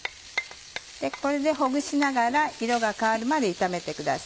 これでほぐしながら色が変わるまで炒めてください。